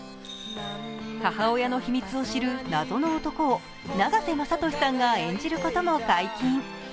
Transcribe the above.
母親の秘密を知る謎の男を永瀬正敏さんが演じることも解禁。